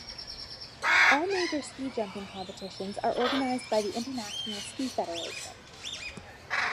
All major ski jumping competitions are organised by the International Ski Federation.